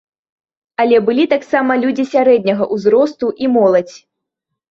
Але былі таксама людзі сярэдняга ўзросту і моладзь.